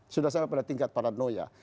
sudah sampai pada tingkat paranoya